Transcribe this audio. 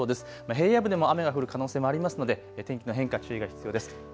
平野部でも雨が降る可能性もありますので天気の変化、注意が必要です。